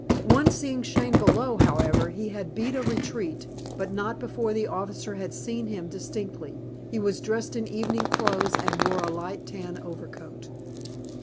One seeing Shane below, however, he had beat a retreat, but not before the officer had seen him distinctly. He was dressed in evening clothes and wore a light tan overcoat.